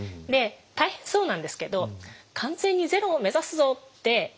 で大変そうなんですけど完全にゼロを目指すぞって